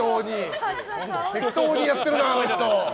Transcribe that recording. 適当にやってるな、あの人。